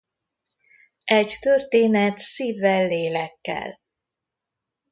Egy történet szívvel-lélekkel.